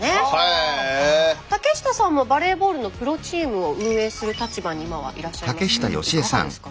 竹下さんもバレーボールのプロチームを運営する立場に今はいらっしゃいますけれどいかがですか？